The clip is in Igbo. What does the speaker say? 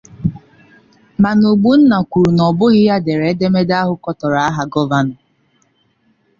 Mana Ogbonna kwuru na ọbụghị ya dere edemede ahụ kọtọrọ aha gọvanọ